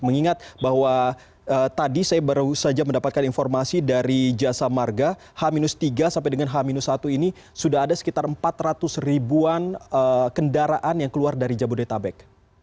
mengingat bahwa tadi saya baru saja mendapatkan informasi dari jasa marga h tiga sampai dengan h satu ini sudah ada sekitar empat ratus ribuan kendaraan yang keluar dari jabodetabek